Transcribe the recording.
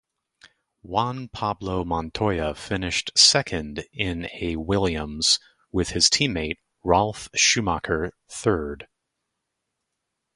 Juan Pablo Montoya finished second in a Williams with his teammate Ralf Schumacher third.